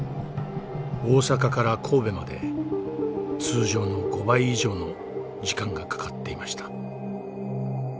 大阪から神戸まで通常の５倍以上の時間がかかっていました。